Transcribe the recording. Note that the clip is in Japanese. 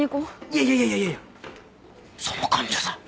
いやいやいやその患者さん。